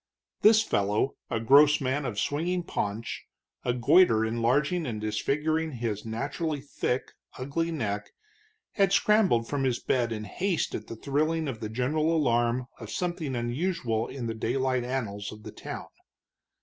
This fellow, a gross man of swinging paunch, a goitre enlarging and disfiguring his naturally thick, ugly neck, had scrambled from his bed in haste at the thrilling of the general alarm of something unusual in the daylight annals of the town.